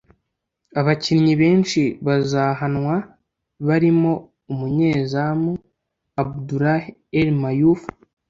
Abakinnyi benshi bazahanwa barimo umunyezamu Abdullah Al-Mayouf